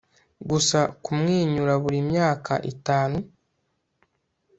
Gusa kumwenyura buri myaka itanu